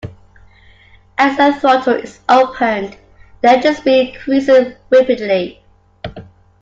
As the throttle is opened, the engine speed increases rapidly.